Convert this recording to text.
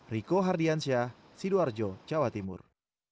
riko hardiansyah sidoarjo jawa timur